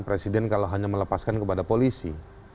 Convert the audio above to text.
presiden kalau hanya melepaskan kepada polisi